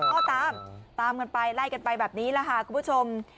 ก็ตามตามกันไปไล่กันไปแบบนี้แหละค่ะคุณผู้ชม